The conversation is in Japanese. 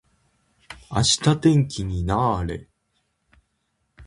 明日天気にな～れ。